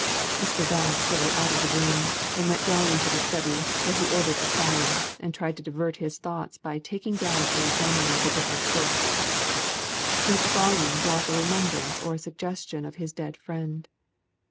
Mr. Bell stole out of the room, and went down into the study, where he ordered a fire, and tried to divert his thoughts by taking down and examining the different books. Each volume brought a remembrance or a suggestion of his dead friend.